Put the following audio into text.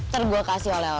terus gak ada lukis